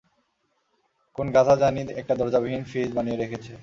কোন গাধা জানি একটা দরজাবিহীন ফ্রিজ বানিয়ে রেখেছে।